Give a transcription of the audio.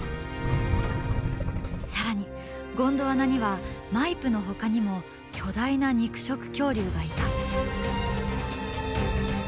更にゴンドワナにはマイプのほかにも巨大な肉食恐竜がいた。